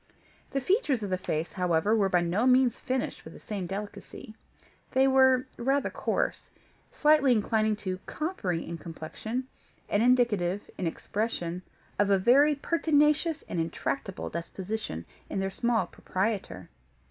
The features of the face, however, were by no means finished with the same delicacy; they were rather coarse, slightly inclining to coppery in complexion, and indicative, in expression, of a very pertinacious and intractable disposition in their small proprietor.